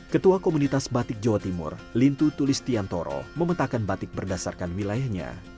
ketua komunitas batik jawa timur lintu tulis tiantoro memetakkan batik berdasarkan wilayahnya